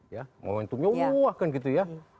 ya momentumnya wah kan gitu ya